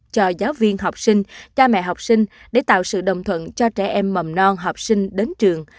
cho giáo viên học sinh cha mẹ học sinh để tạo sự đồng thuận cho trẻ em mầm non học sinh đến trường